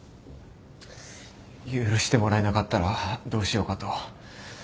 許してもらえなかったらどうしようかと。